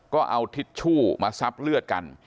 ก็เอาทิชชู่มาซับเลือดกัน